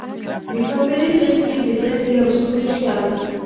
د ښاپیرۍ غیږ کې بیده، د یوه ستوری خیال